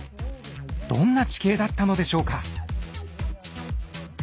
どんな地形だったのでしょうか？